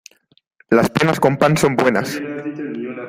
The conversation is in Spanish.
Las penas con pan son buenas.